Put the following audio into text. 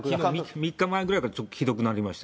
３日前ぐらいからひどくなりました。